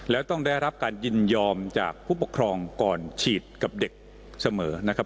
แล้วต้องได้รับการยินยอมจากผู้ปกครองก่อนฉีดกับเด็กเสมอนะครับ